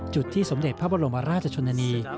จุดที่สมเด็จพระบรมราชชนนานี